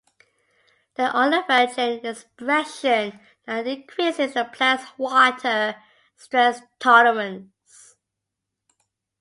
They all affect gene expression that increases the plants water stress tolerance.